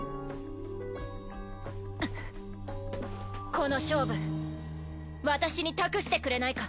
この勝負私に託してくれないか？